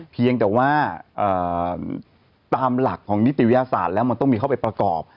เพียงแต่ว่าตามหลักของนิติวิทยาศาสตร์แล้วมันต้องมีเข้าไปประกอบ